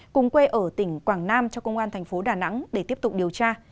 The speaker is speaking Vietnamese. cùng quê ở tỉnh quảng nam cho công an thành phố đà nẵng để tiếp tục điều tra